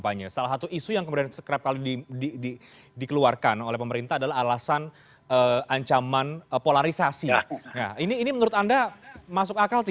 itu yang diharapkan oleh pemerintah juga